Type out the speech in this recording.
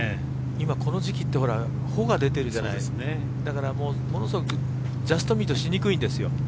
今、この時期って穂が出てるじゃないですかだから、ものすごいジャストミートしにくいんですよ。